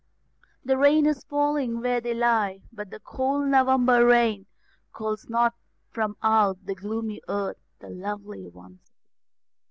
The rain is falling where they lie, but the cold November rain Calls not from out the gloomy earth the lovely ones again.